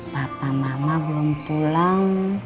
papa mama belum pulang